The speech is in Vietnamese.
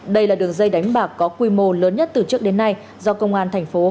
đây là đường dây đánh bạc có quy mô lớn nhất từ trước đến nay do công an thành phố